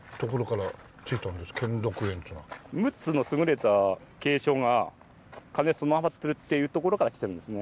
六つの優れた景勝が兼ね備わってるっていうところからきてるんですね。